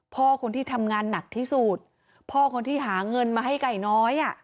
พ่อคนที่ทำงานหนักที่สุดพ่อคนที่หาเงินมาให้ไก่น้อยอ่ะ